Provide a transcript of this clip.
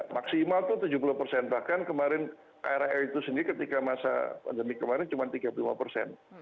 maksimal itu tujuh puluh persen bahkan kemarin krl itu sendiri ketika masa pandemi kemarin cuma tiga puluh lima persen